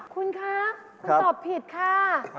คุณคะคุณตอบผิดค่ะ